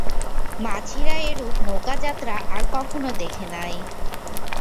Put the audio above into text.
মাঝিরা এরূপ নৌকাযাত্রা আর কখনো দেখে নাই।